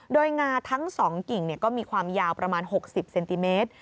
โดยงาทั้ง๒กิ่งก็มีความยาวประมาณ๖๐เซนติเมตร